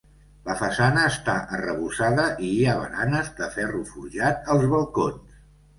La façana està arrebossada i hi ha baranes de ferro forjat als balcons.